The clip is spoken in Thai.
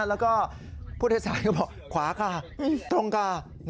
แล้วก็ผู้โดยสารก็บอกขวาค่ะตรงค่ะ